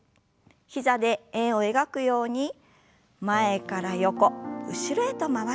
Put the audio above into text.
膝で円を描くように前から横後ろへと回しましょう。